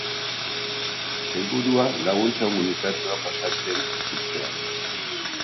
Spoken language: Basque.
Helburua, laguntza humanitarioa pasatzen uztea.